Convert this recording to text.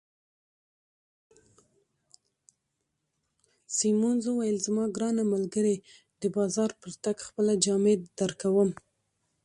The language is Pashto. سیمونز وویل: زما ګرانه ملګرې، د بازار پر تګ خپله جامې درکوم.